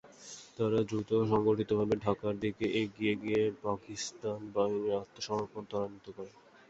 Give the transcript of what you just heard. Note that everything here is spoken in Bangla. তারা দ্রুত সংগঠিতভাবে ঢাকার দিকে এগিয়ে গিয়ে পাকিস্তান বাহিনীর আত্মসমর্পণ ত্বরান্বিত করে।